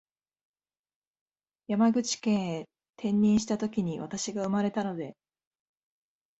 山口県へ転任したときに私が生まれたので